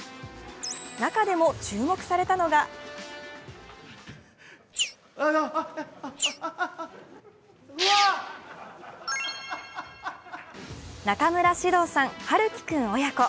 中でも注目されたのが中村獅童さん、陽喜君親子。